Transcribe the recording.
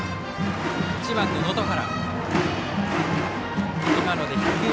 １番、能登原。